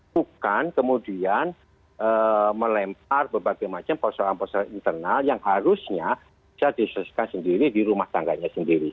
bukan kemudian melempar berbagai macam persoalan persoalan internal yang harusnya bisa diselesaikan sendiri di rumah tangganya sendiri